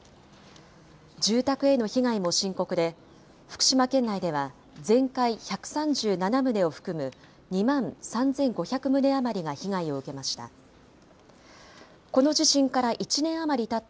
住宅への被害も深刻で、福島県内では、全壊１３７棟を含む、２万３５００棟余りが被害を受けました。